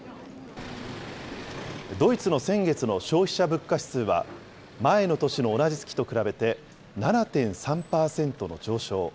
ドイツの先月の消費者物価指数は、前の年の同じ月と比べて、７．３％の上昇。